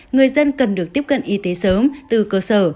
người dân cần được tiếp cận y tế sớm từ cơ sở